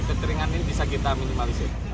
kekeringan ini bisa kita minimalisir